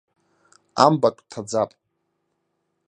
Амбатә ҭаӡап.